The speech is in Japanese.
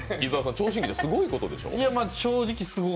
聴診器ってすごいことでしょ？